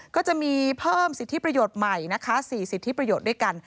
ก็จะมีเพิ่มสิทธิประโยชน์ใหม่นะคะ๔สิทธิประโยชน์ด้วยกัน